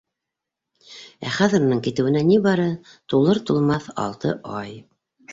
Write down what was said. Ә хәҙер уның китеүенә ни бары тулыр-тулмаҫ алты ай.